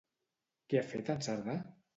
Què ha fet en Cerdà?